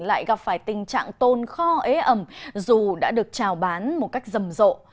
lại gặp phải tình trạng tôn kho ế ẩm dù đã được trào bán một cách rầm rộ